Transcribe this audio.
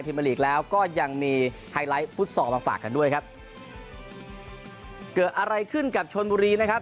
มาลีกแล้วก็ยังมีไฮไลท์ฟุตซอลมาฝากกันด้วยครับเกิดอะไรขึ้นกับชนบุรีนะครับ